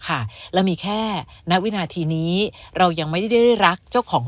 ค่ะเรามีแค่ณวินาทีนี้เรายังไม่ได้รักเจ้าของ